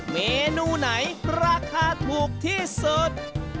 เมนูไหนราคาถูกที่สุด